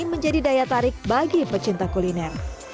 menjadi daya tarik bagi pecinta kuliner